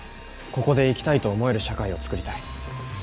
ここで生きたいと思える社会を作りたい。